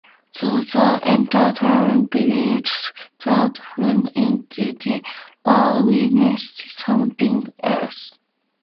Though the entire town believes that Freddy is guilty, Bart witnessed something else.